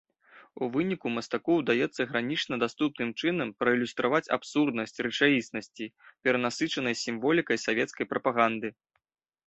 У выніку мастаку ўдаецца гранічна даступным чынам праілюстраваць абсурднасць рэчаіснасці, перанасычанай сімволікай савецкай прапаганды.